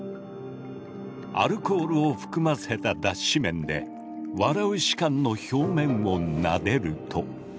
アルコールを含ませた脱脂綿で「笑う士官」の表面をなでると。